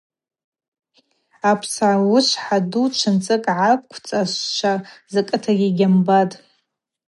Апсауышвхӏа ду чвынцӏыкӏ гӏаквчӏвазшва закӏытагьи йгьамбатӏ.